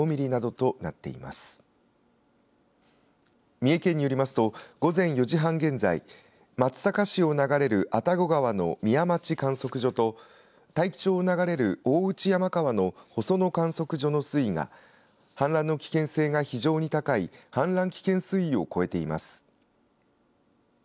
三重県によりますと午前４時半現在松阪市を流れる愛宕川の宮町観測所と大紀町を流れる大内山川の細野観測所の水位が氾濫の危険性が非常に高い氾濫危険水位を超えています。